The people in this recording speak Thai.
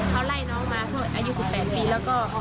เขาไล่น้องมาอายุ๑๘ปีแล้วก็